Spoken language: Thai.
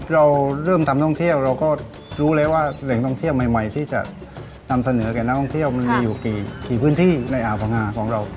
เราเริ่มทำท่องเที่ยวเราก็รู้แล้วว่าแหล่งท่องเที่ยวใหม่ที่จะนำเสนอแก่นักท่องเที่ยวมันมีอยู่กี่พื้นที่ในอ่าวพังงาของเรา